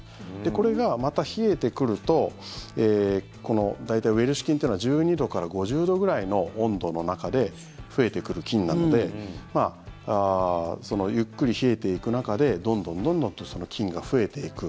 これがまた冷えてくると大体、ウエルシュ菌というのは１２度から５０度くらいの温度の中で増えてくる菌なのでゆっくり冷えていく中でどんどん、どんどんとその菌が増えていく。